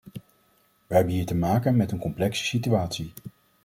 Wij hebben hier te maken met een complexe situatie.